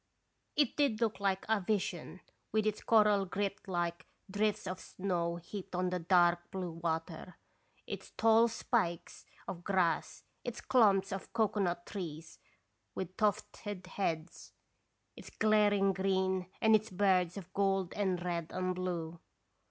It did look like a vision, with its coral grit like drifts of snow heaped on the dark blue water, its tall spikes of grass, its clumps of cocoanut trees with tufted heads, its glaring green, and its birds of gold and red and blue.